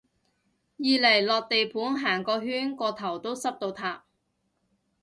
二嚟落地盤行個圈個頭都濕到塌